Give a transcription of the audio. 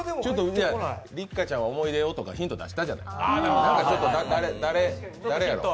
六花ちゃんは「思い出を」とかヒント出したじゃない。